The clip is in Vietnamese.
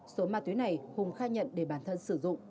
số ma túy này hùng khai nhận để bản thân sử dụng